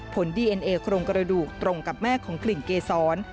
ผลดีเอ็นเอโครงกระดูกตรงกับแม่ของกลิ่นเกษร